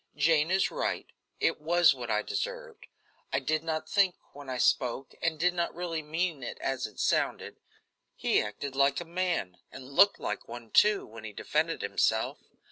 "Jane is right; it was what I deserved. I did not think when I spoke, and did not really mean it as it sounded. He acted like a man, and looked like one, too, when he defended himself.